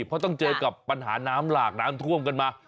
เพราะต้องเจอกับปัญหาน้ำหลากน้ำท่วมกันมา